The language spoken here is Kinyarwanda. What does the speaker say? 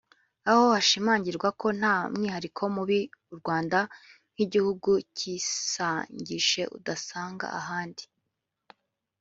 aho hashimangirwaga ko nta mwihariko mubi u Rwanda nk’igihugu kishangije utasanga ahandi